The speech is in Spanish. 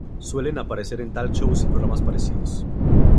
Suelen aparecer en talk shows y programas parecidos.